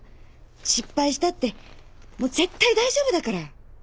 失敗したってもう絶対大丈夫だから。